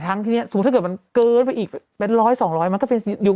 แต่ซอมถ้าเกิดมันเกินไปอีกประมาณ๑๐๐๒๐๐ไม่ดูเป็นสียุ่ง